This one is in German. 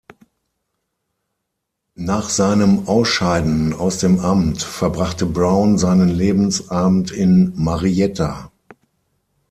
Nach seinem Ausscheiden aus dem Amt verbrachte Brown seinen Lebensabend in Marietta.